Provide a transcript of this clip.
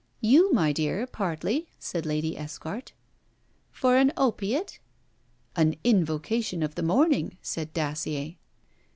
'You, my dear, partly,' said Lady Esquart. 'For an opiate?' 'An invocation of the morning,' said Dacier.